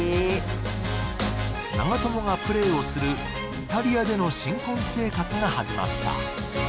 長友がプレーをするイタリアでの新婚生活が始まった。